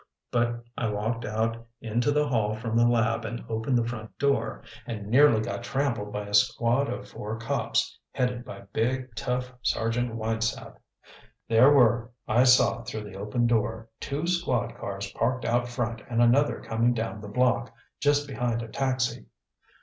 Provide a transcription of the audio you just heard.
But I walked out into the hall from the lab and opened the front door and nearly got trampled by a squad of four cops, headed by big, tough Sergeant Winesap. There were, I saw through the open door, two squad cars parked out front and another coming down the block, just behind a taxi.